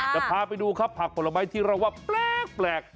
จะพาไปดูครับผักผลไม้ที่เราว่าแปลก